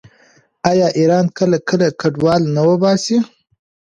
آیا ایران کله کله کډوال نه وباسي؟